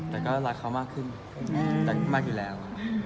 แต่ก็รักเขามากขึ้นรักมากอยู่แล้ว